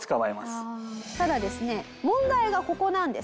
ただですね問題がここなんです。